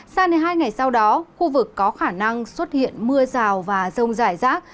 sang đến hai ngày sau đó khu vực có khả năng xuất hiện mưa rào và rông rải rác